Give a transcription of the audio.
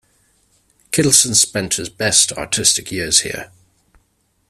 Kittelsen spent his best artistic years here.